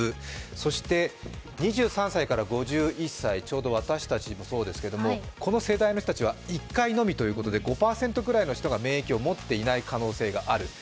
そして２３歳から５１歳、ちょうど私たちもそうですけれどもこの世代の人たちは１回のみということで５０％ぐらいの人が免疫を持っていない可能性がある。